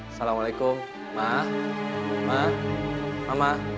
assalamualaikum ma ma mama